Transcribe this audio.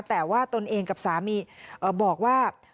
แต่ว่าตนเองกับสามีบอกว่า